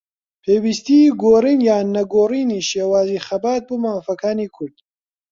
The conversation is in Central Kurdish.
پێویستیی گۆڕین یان نەگۆڕینی شێوازی خەبات بۆ مافەکانی کورد